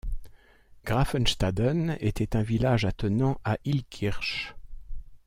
Graffenstaden était un village attenant à Illkirch.